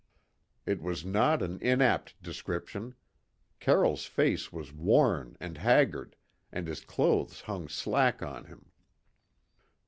It was not an inapt description. Carroll's face was worn and haggard, and his clothes hung slack on him.